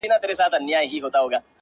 خو پر زړه مي سپين دسمال د چا د ياد ـ